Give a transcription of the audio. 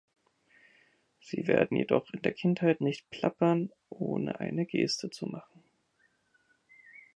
Sie werden jedoch in der Kindheit nicht plappern, ohne eine Geste zu machen.